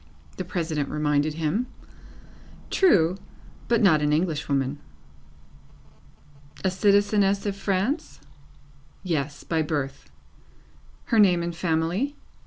the President reminded him. True, but not an English woman. A citizeness of France? Yes. By birth. Her name and family?